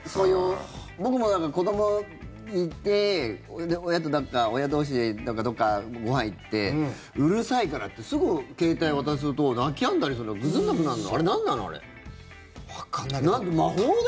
僕も、子どもいて親同士でどっかご飯行ってうるさいからってすぐ携帯を渡すと泣きやんだりするぐずらなくなるの。